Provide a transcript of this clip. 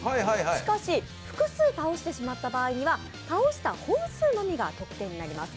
しかし、複数倒してしまった場合には倒した本数のみが得点となります。